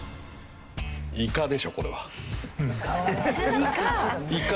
イカでしょこれは。